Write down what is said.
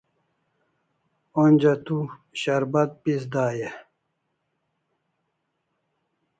Onja tu sharbat pis dai e?